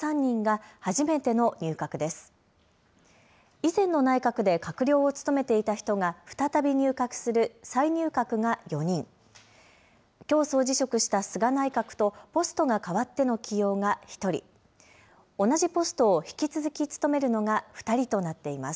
以前の内閣で閣僚を務めていた人が、再び入閣する再入閣が４人、きょう総辞職した菅内閣とポストが変わっての起用が１人、同じポストを引き続き務めるのが２人となっています。